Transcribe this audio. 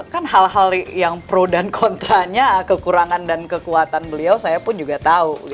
kan hal hal yang pro dan kontranya kekurangan dan kekuatan beliau saya pun juga tahu